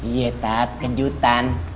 iya tat kejutan